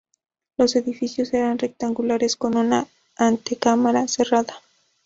Los edificios eran rectangulares, con una antecámara cerrada.